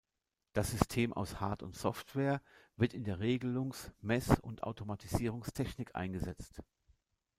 Das System aus Hard- und Software wird in der Regelungs-, Mess- und Automatisierungstechnik eingesetzt.